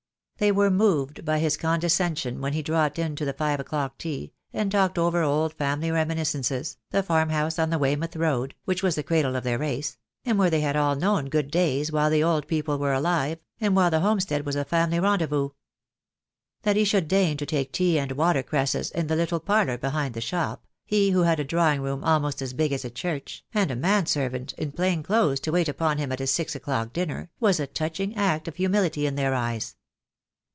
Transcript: They were moved by his condescension when he dropped in to the five o'clock tea, and talked over old family reminiscences, 20 THE DAY WILL COME. the farmhouse on the Weymouth Road, which was the cradle of their race, and where they had all known good days while the old people were alive, and while the homestead was a family rendezvous. That he should deign to take tea and water cresses in the little parlour behind the shop, he who had a drawing room almost as big as a church, and a man servant in plain clothes to wait upon him at his six o'clock dinner, was a touching act of humility in their eyes.